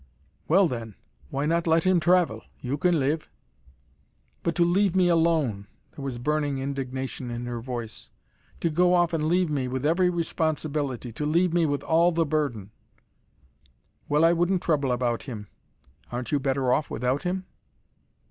"Well then, why not let him travel? You can live." "But to leave me alone," there was burning indignation in her voice. "To go off and leave me with every responsibility, to leave me with all the burden." "Well I wouldn't trouble about him. Aren't you better off without him?"